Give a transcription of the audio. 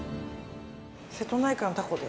瀬戸内海のタコで。